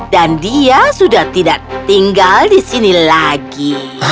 dan dia sudah tidak tinggal di sini lagi